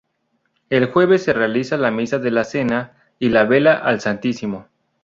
El jueves se realiza la misa de la cena y la vela al Santísimo.